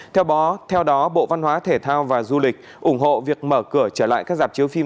theo đó bộ văn hóa thể thao và du lịch ủng hộ việc mở cửa trở lại các giạc chiếu phim